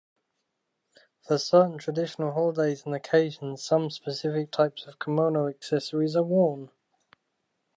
For certain traditional holidays and occasions some specific types of kimono accessories are worn.